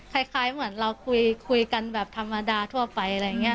คล้ายเหมือนเราคุยกันแบบธรรมดาทั่วไปอะไรอย่างนี้